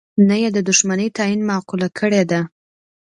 نه یې د دوښمنی تعین معقوله کړې ده.